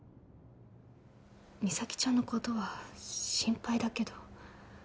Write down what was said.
実咲ちゃんのことは心配だけど